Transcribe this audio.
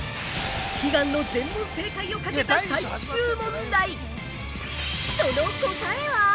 悲願の全問正解をかけた最終問題、その答えは！？